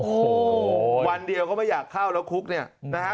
โอ้โหวันเดียวก็ไม่อยากเข้าแล้วคุกเนี่ยนะฮะ